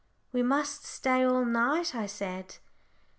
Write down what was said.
"We must stay all night," I said.